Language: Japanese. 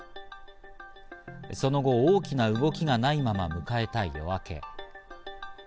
その後、大きな動きがないまま迎えた夜明け。